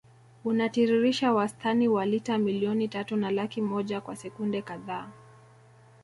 Unatiririsha wastani wa lita milioni tatu na laki moja kwa sekunde kadhaa